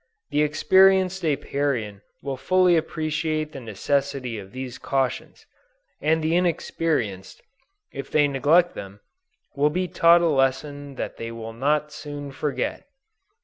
The experienced Apiarian will fully appreciate the necessity of these cautions, and the inexperienced, if they neglect them, will be taught a lesson that they will not soon forget.